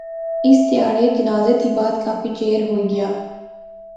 اس تہاڑے جنازے تھی بعد کافی چیر ہوئی گیا